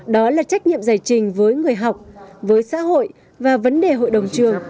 đó là trách nhiệm giải trình với người học với xã hội và vấn đề hội đồng trường